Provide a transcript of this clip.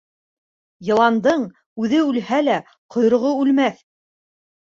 Йыландың үҙе үлһә лә, ҡойроғо үлмәҫ.